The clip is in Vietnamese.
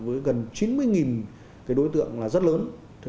với gần chín mươi đối tượng là rất lớn